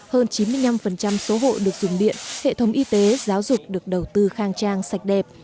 hơn chín mươi năm số hộ được dùng điện hệ thống y tế giáo dục được đầu tư khang trang sạch đẹp